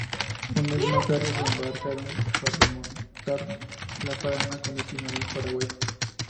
Un mes más tarde se embarcaron para remontar el Paraná con destino al Paraguay.